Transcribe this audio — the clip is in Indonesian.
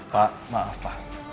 pak maaf pak